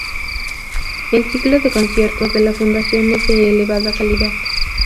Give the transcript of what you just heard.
El ciclo de conciertos de la fundación es de elevada calidad.